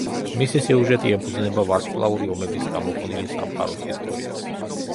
მისი სიუჟეტი ეფუძნება ვარსკვლავური ომების გამოგონილი სამყაროს ისტორიას.